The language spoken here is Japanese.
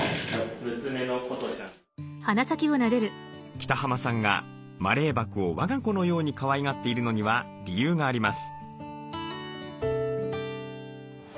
北濱さんがマレーバクを我が子のようにかわいがっているのには理由があります。